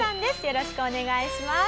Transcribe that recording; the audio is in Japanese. よろしくお願いします。